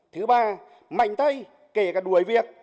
thứ ba mạnh tay kể cả đuổi việc